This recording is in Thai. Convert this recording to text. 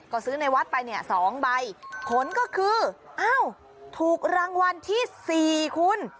ก็ซื้อในวัดไปเนี่ย๒ใบผลก็คืออ้าวถูกรางวัลที่๔คุณ